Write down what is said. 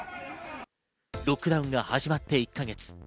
ロックダウンが始まって１か月。